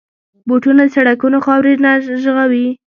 بوټونه د سړکونو خاورې نه ژغوري.